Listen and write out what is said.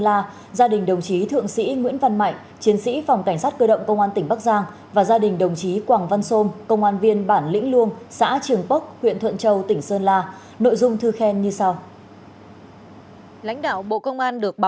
lãnh đạo bộ công an được báo cáo tại bắc giang ngày một mươi bốn tháng chín năm hai nghìn hai mươi